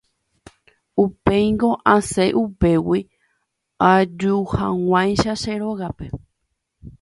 Upéingo asẽ upégui ajuhag̃uáicha che rógape.